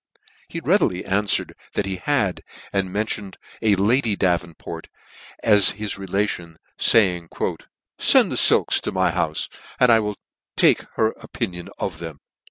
He readily anfwered that he had, and mentioned a lady Davenport as his relation, faying, " fend " the filks to my houfe, and I will take her opi " nion of them."